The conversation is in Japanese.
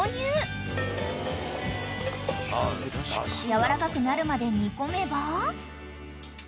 ［やわらかくなるまで煮込めば］